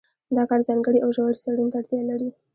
دا کار ځانګړې او ژورې څېړنې ته اړتیا لري.